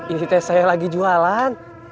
ini tes saya lagi jualan